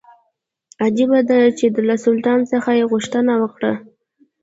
عجیبه دا چې له سلطان څخه یې غوښتنه وکړه.